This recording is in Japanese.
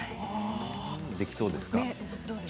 できそうですか？